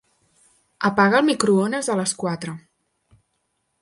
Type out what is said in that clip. Apaga el microones a les quatre.